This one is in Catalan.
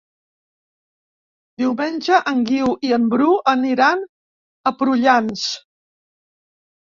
Diumenge en Guiu i en Bru aniran a Prullans.